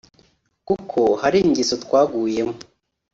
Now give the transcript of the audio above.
“Kuko hari ingeso twaguyemo